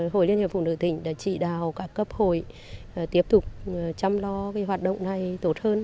hội liên hiệp phụ nữ tỉnh đã chỉ đào các cấp hội tiếp tục chăm lo hoạt động này tốt hơn